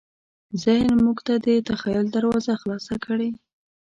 ذهن موږ ته د تخیل دروازه خلاصه کړې.